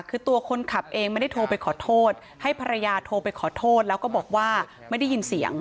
คือตัวคนขับเองไม่ได้โทรไปขอโทษให้ภรรยาโทรไปขอโทษแล้วก็บอกว่าไม่ได้ยินเสียง